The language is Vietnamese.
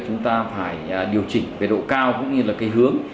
chúng ta phải điều chỉnh về độ cao cũng như là cái hướng